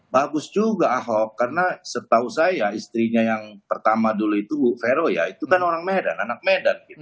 bagus juga ahok karena setahu saya istrinya yang pertama dulu itu bu vero ya itu kan orang medan anak medan